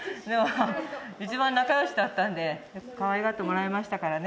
一番仲よしだったんでかわいがってもらいましたからね。